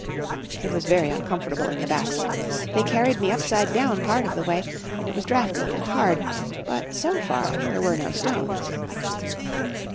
It was very uncomfortable in the basket. They carried me upside down part of the way, and it was draughty and hard; but, so far, there were no stones.